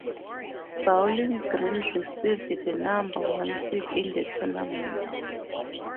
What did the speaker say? Bowling Green received the number one seed in the tournament.